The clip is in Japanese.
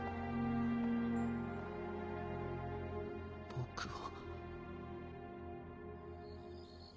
僕は。